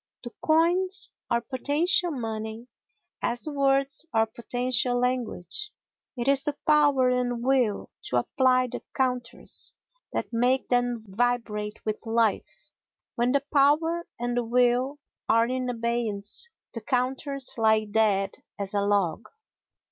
The coins are potential money as the words are potential language, it is the power and will to apply the counters that make them vibrate with life; when the power and the will are in abeyance the counters lie dead as a log.